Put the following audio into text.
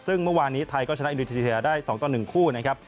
ซึ่งเมื่อวานนี้ไทยก็ชนะอินโดนีเซียได้๒ต่อ๑คู่นะครับ